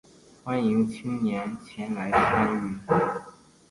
欢迎青年前来参与